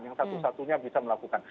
yang satu satunya bisa melakukan